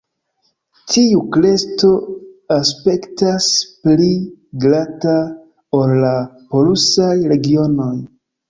Tiu kresto aspektas pli glata ol la "polusaj" regionoj.